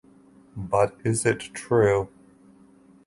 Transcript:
But is it true?